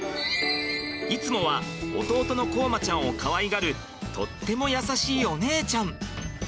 いつもは弟の凰真ちゃんをかわいがるとってもやさしいお姉ちゃん。